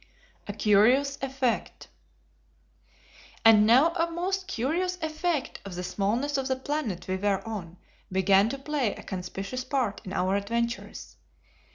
A Curious Effect. And now a most curious effect of the smallness of the planet we were on began to play a conspicuous part in our adventures.